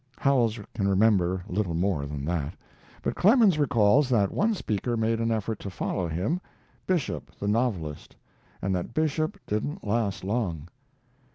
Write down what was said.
Howells can remember little more than that, but Clemens recalls that one speaker made an effort to follow him Bishop, the novelist, and that Bishop didn't last long.